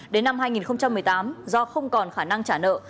đến năm hai nghìn một mươi tám do không còn khả năng trả nợ